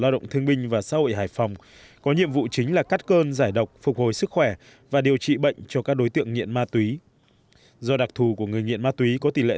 do đó công tác phòng chống và điều trị cho người nhiễm hiv được cải thiện đáng kể